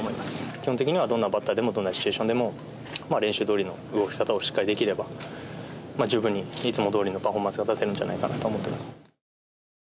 基本的にはどんなバッターでもどんなシチュエーションでも練習どおりの動き方をしっかりできれば十分にいつもどおりのパフォーマンスが出せると思っています。